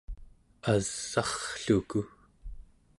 as'arrluku